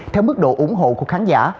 theo mức độ ủng hộ của khán giả